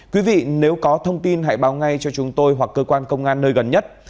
quý vị nếu có thông tin hãy báo ngay cho chúng tôi hoặc cơ quan công an nơi gần nhất